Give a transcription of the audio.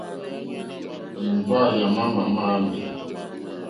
Èŋɡbâ yà má màmâ ámì.